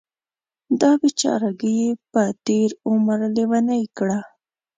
دا بیچارګۍ یې په تېر عمر لیونۍ کړه.